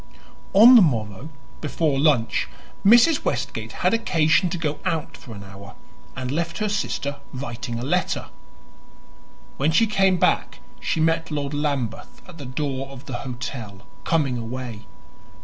On the morrow, before lunch, Mrs. Westgate had occasion to go out for an hour, and left her sister writing a letter. When she came back she met Lord Lambeth at the door of the hotel, coming away.